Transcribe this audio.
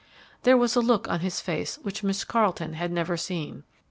There was a look on his face which Miss Carleton had never seen.